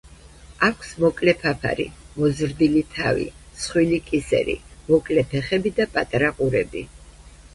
აქვს მოკლე ფაფარი, მოზრდილი თავი, მსხვილი კისერი, მოკლე ფეხები და პატარა ყურები.